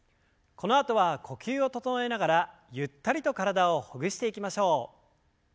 このあとは呼吸を整えながらゆったりと体をほぐしていきましょう。